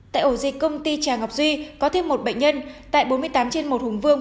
tại ổ dịch công ty trà ngọc duy có thêm một bệnh nhân tại bốn mươi tám trên một hùng vương